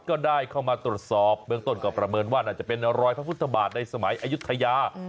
ก็ได้เข้ามาตรวจสอบเบื้องต้นก็ประเมินว่าน่าจะเป็นรอยพระพุทธบาทในสมัยอายุทยา